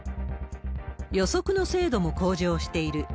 予測の精度も向上している。